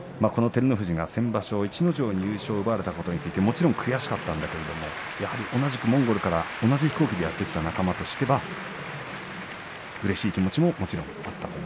照ノ富士が先場所、逸ノ城に優勝を奪われたことについてもちろん悔しかったんだけれどもモンゴルから同じ飛行機でやって来た仲間としてはうれしかった。